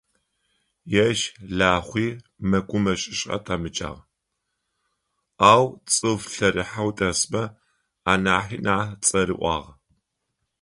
Ежь Лахъуи мэкъумэщышӏэ тхьамыкӏагъ, ау цӏыф лъэрыхьэу дэсмэ анахьи нахь цӏэрыӏуагъ.